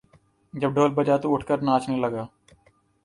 جب ڈھول بجا تو اٹھ کر ناچنے لگا